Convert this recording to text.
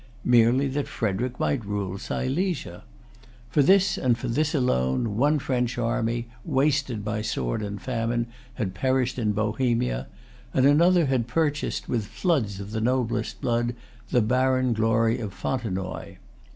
Merely that Frederic might rule Silesia. For this, and this alone, one French army, wasted by sword and famine, had perished in Bohemia; and another had purchased, with floods of the noblest blood, the barren glory of Fontenoy.